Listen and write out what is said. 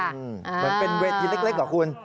เหมือนเป็นเวทีเล็กเหรอคุณ